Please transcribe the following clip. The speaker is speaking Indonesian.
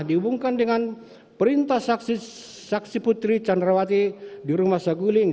dihubungkan dengan perintah saksi putri candrawati di rumah saguling